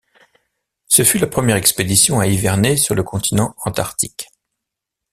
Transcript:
Ce fut la première expédition à hiverner sur le continent Antarctique.